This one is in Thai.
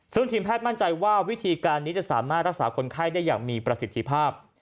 ซึ่งทีมแพทย์มั่นใจว่าวิธีการนี้จะสามารถรักษาคนไข้ได้อย่างมีประสิทธิภาพ